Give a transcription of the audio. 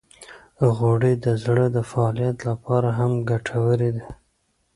غوړې د زړه د فعالیت لپاره هم ګټورې دي.